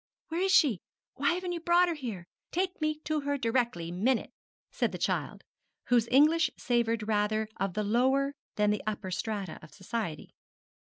'Where is she? why haven't you brought her? Take me to her directly minute,' said the child, whose English savoured rather of the lower than the upper strata of society.